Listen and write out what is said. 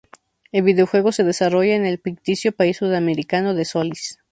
El videojuego se desarrolla en el ficticio país sudamericano de Solís.